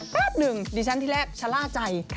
แป๊บหนึ่งดิฉันที่แรกชะล่าใจ